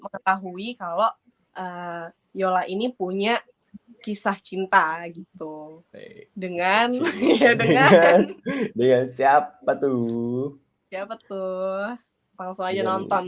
ketahui kalau yola ini punya kisah cinta gitu dengan siapa tuh siapa tuh langsung aja nonton